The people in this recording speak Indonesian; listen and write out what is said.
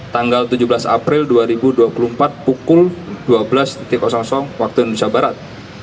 tanggal tujuh belas april dua ribu dua puluh empat pukul dua belas waktu indonesia barat